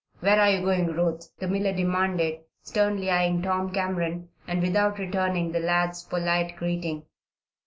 "Where are you going, Ruth?" the miller demanded, sternly eyeing Tom Cameron, and without returning the lad's polite greeting.